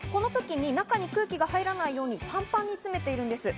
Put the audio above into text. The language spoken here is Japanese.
中に空気が入らないように詰めているんです。